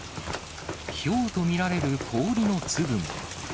ひょうと見られる氷の粒も。